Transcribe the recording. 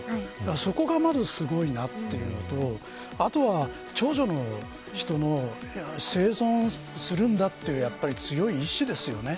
そこがまずすごいなっていうのとあとは、長女の人の生存するんだという強い意志ですよね。